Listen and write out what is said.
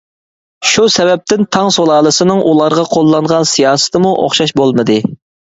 شۇ سەۋەبتىن تاڭ سۇلالىسىنىڭ ئۇلارغا قوللانغان سىياسىتىمۇ ئوخشاش بولمىدى.